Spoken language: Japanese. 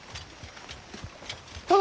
殿！